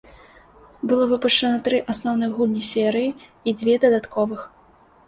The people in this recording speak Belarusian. Было выпушчана тры асноўных гульні серыі і дзве дадатковых.